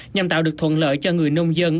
nhằm tạo được thuận lợi cho người nông dân